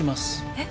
えっ？